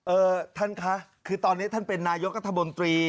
ท่านคะคือตอนนี้ท่านเป็นนายกัธมนตรี